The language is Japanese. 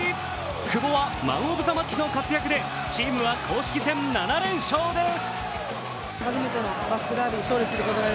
久保はマン・オブ・ザ・マッチの活躍でチームは公式戦７連勝です。